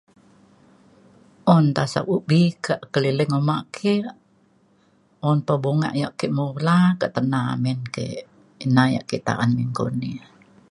un tasek ubi ke' keliling oma' ke. un to bonga' ya' ake mola ke tena amin ke' ina ya' ake ta'an minggu ni.